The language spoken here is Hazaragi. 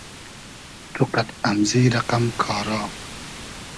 تو قئد امزی رئقئم کارا